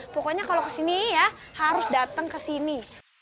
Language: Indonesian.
pokoknya kalau ke sini ya harus datang e sini